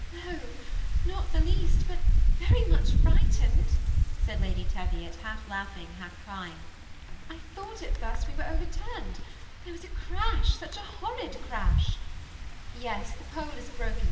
" No, not the least, but very much frightened," said Lady Teviot, half laughing, half crying. " I thought at first we were overturned; there was a crash, such a horrid crash" " Yes, the pole is broken.